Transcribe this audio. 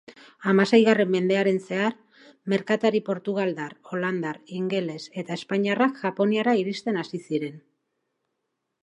Hamaseigarren mendean zehar, merkatari portugaldar, holandar, ingeles eta espainiarrak Japoniara iristen hasi ziren.